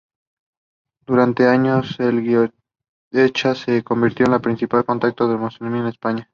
Durante estos años Goicoechea se convirtió en el principal contacto de Mussolini en España.